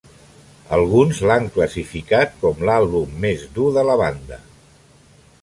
Alguns l'han classificat com l'àlbum més dur de la banda.